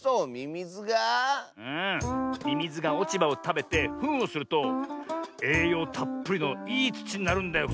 ミミズがおちばをたべてフンをするとえいようたっぷりのいいつちになるんだよ